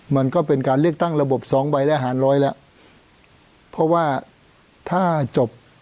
มันก็เป็นการเลือกตั้งระบบสองใบและหารร้อยแล้วเพราะว่าถ้าจบ